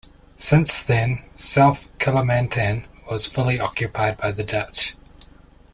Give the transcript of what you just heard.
Since then, South Kalimantan was fully occupied by the Dutch.